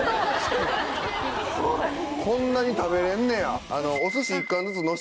こんなに食べれんねや。